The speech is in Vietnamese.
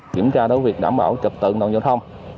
kiểm tra đối với việc đảm bảo trực tự an toàn giao thông